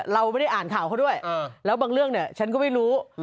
เรามาได้อ่านข่าวเขาด้วย